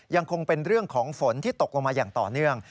ยังคงเป็นเรื่องของฝนที่ตกลงมาอย่างต่อเนื่อง